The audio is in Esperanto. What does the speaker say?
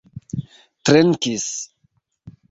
trinkis